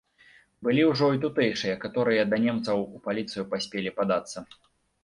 Былі ўжо і тутэйшыя, каторыя да немцаў у паліцыю паспелі падацца.